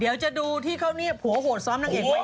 เดี๋ยวจะดูที่เขานี่ผัวโหดสามนางเอกวัยรุ่น